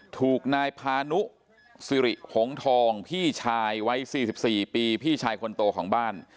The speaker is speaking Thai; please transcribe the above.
ถูกนายพานุสิริหงทองพี่ชายวัย๔๔ปีพี่ชายคนโตของบ้าน